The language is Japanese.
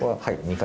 はい。